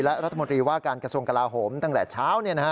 และรัฐมนตรีว่าการกระทรวงกลาโหมตั้งแต่เช้า